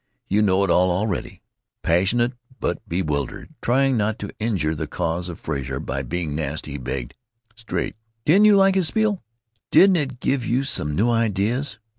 You know it all already." Passionate but bewildered, trying not to injure the cause of Frazer by being nasty, he begged: "Straight, didn't you like his spiel? Didn't it give you some new ideas?"